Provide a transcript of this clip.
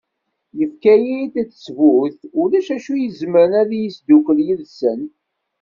Yefka-yi-d ttbut ulac acu izemren ad iyi-isdukel yid-sen.